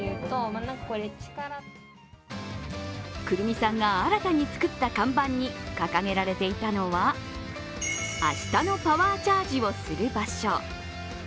くるみさんが新たに作った看板に掲げられていたのは「明日のパワーチャージをする場所」。